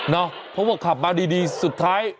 เพราะว่าขับมาดีสุดท้าย